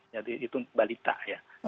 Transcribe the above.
jadi itu balita ya